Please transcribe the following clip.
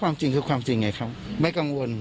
ความจริงคือความจริงไงครับไม่กังวล